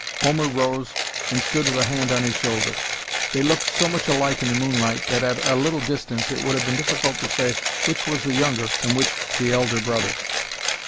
Homer rose and stood with a hand on his shoulder. They looked so much alike in the moonlight that at a little distance it would have been difficult to say which was the younger and which the elder brother.